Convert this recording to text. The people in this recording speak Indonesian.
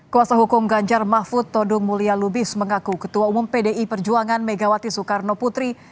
kuasa hukum ganjar mahfud todung mulya lubis mengaku ketua umum pdi perjuangan megawati soekarno putri